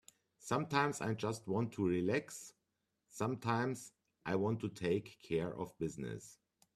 Sometimes I just want to relax, sometimes I want to take care of business.